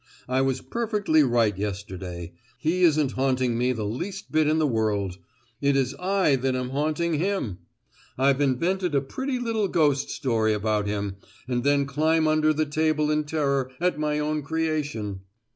I was perfectly right yesterday, he isn't haunting me the least bit in the world; it is I that am haunting him! I've invented a pretty little ghost story about him and then climb under the table in terror at my own creation!